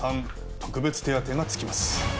特別手当がつきます。